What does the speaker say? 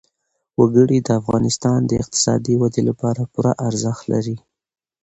وګړي د افغانستان د اقتصادي ودې لپاره پوره ارزښت لري.